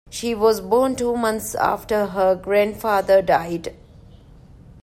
She was born two months after her grandfather died.